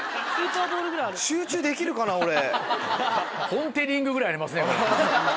ポン・デ・リングぐらいありますねこれ。